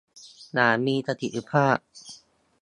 อย่างมีประสิทธิภาพ